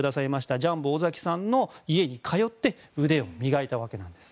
ジャンボ尾崎さんの家に通って腕を磨いたわけです。